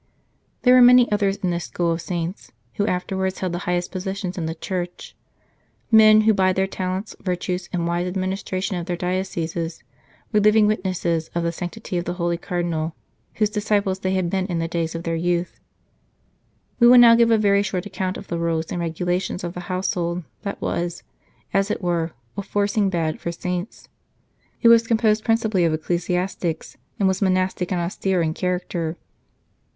There were many others in this school of saints 58 A School for Saints who afterwards held the highest positions in the Church men who by their talents, virtues, and wise administration of their dioceses, were living witnesses of the sanctity of the holy Cardinal whose disciples they had been in the days of their youth. We will now give a very short account of the rules and regulations of the household that was, as it were, a forcing bed for saints. It was composed principally of ecclesiastics, and was monastic and austere in character.